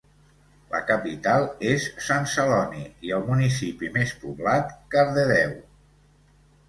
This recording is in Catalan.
La capital és Sant Celoni, i el municipi més poblat, Cardedeu.